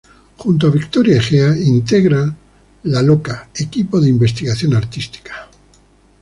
Junto a Victoria Egea integra La Loca Equipo de Investigación Artística.